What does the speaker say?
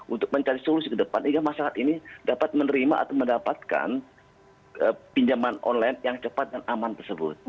untuk mencari solusi ke depan sehingga masyarakat ini dapat menerima atau mendapatkan pinjaman online yang cepat dan aman tersebut